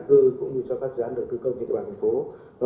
do trượt giá đổi giá đất trong những năm vừa qua